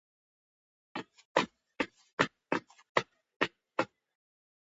ის საფეხბურთო ოჯახში გაიზარდა და ბავშვობიდანვე სურვილი ჰქონდა, რომ ფეხბურთელი გამოსულიყო.